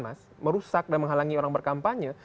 merusak dan menghalangi orang berkampanye